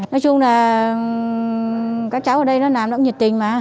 nói chung là các cháu ở đây nó làm nó cũng nhiệt tình mà